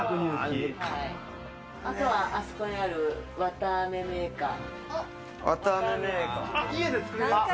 あとは、あそこにある、わたあめメーカー。